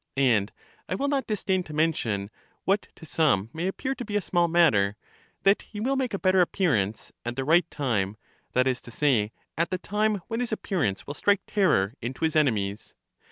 And I will not disdain to mention, what to some may appear to be a small matter, that he will make a better appearance at the right time; that is to say, at the time when his appearance will strike terror into his enemies.